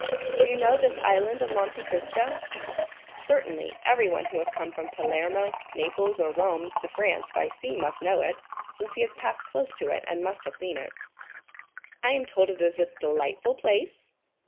"Do you know this Island of Monte Cristo?" "Certainly, everyone who has come from Palermo, Naples, or Rome to France by sea must know it, since he has passed close to it and must have seen it." "I am told it is a delightful place?"